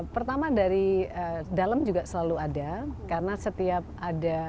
pertama dari dalam juga selalu ada karena setiap ada